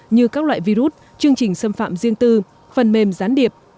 như các loại virus chương trình xâm phạm riêng tư phần mềm gián điệp